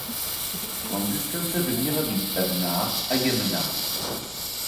Konzistence by měla být pevná a jemná.